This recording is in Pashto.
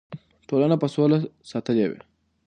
ټولنه به سوله ساتلې وي.